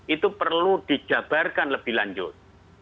itu perlu dijabarkan lebih lanjut